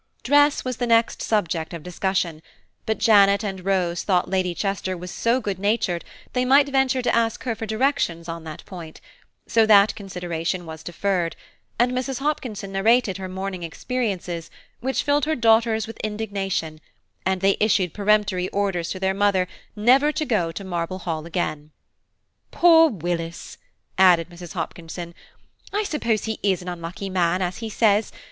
Dress was the next subject of discussion, but Janet and Rose thought Lady Chester was so good natured, they might venture to ask her for directions on that point, so that consideration was deferred; and Mrs. Hopkinson narrated her morning experiences, which filled her daughters with indignation, and they issued peremptory orders to their mother never to go to Marble Hall again. "Poor Willis!" added Mrs. Hopkinson, "I suppose he is an unlucky man, as he says.